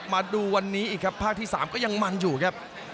มาดูวันนี้อีกครับภาคที่๓ก็ยังมันอยู่ครับ